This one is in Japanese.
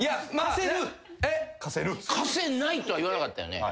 えっ？貸せないとは言わなかったよね。